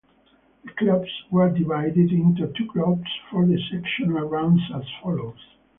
The clubs were divided into two groups for the sectional rounds as follows.